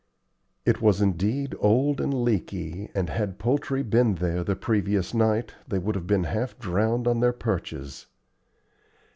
It was indeed old and leaky, and had poultry been there the previous night they would have been half drowned on their perches.